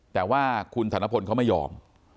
แต่ว่าท่านทนพลเขายอม